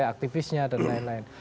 aktivisnya dan lain lain